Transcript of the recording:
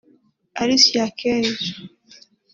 Alicia Keys